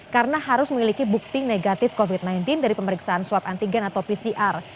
karena harus memiliki bukti negatif covid sembilan belas dari pemeriksaan swab antigen atau pcr